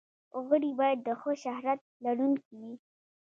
غړي باید د ښه شهرت لرونکي وي.